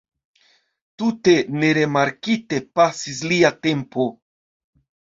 Tute nerimarkite pasis lia tempo.